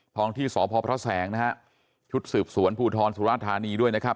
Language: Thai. องที่สพพระแสงนะฮะชุดสืบสวนภูทรสุราธานีด้วยนะครับ